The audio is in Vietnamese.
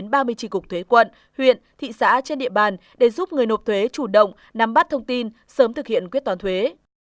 giải quyết thuế đến ba mươi trị cục thuế quận huyện thị xã trên địa bàn để giúp người nộp thuế chủ động nắm bắt thông tin sớm thực hiện quyết toán thuế